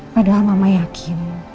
padahal mama yakin